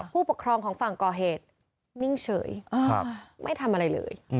ผู้ปกครองของฝั่งก่อเหตุนิ่งเฉยไม่ทำอะไรเลย